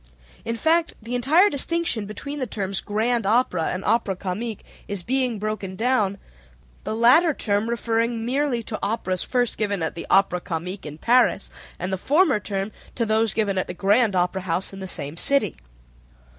In fact the entire distinction between the terms grand opera and opera comique is being broken down, the latter term referring merely to operas first given at the Opera Comique in Paris, and the former term to those given at the Grand Opera House in the same city.